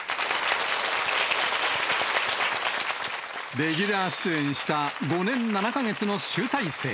レギュラー出演した、５年７か月の集大成。